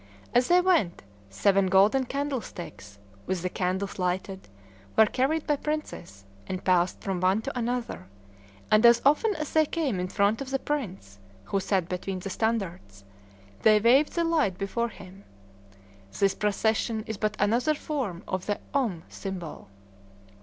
As they went, seven golden candlesticks, with the candles lighted, were carried by princes, and passed from one to another; and as often as they came in front of the prince, who sat between the standards, they waved the light before him. This procession is but another form of the Om symbol.